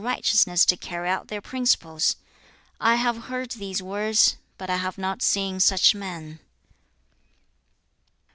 righteousness to carry out their principles: I have heard these words, but I have not seen such men.'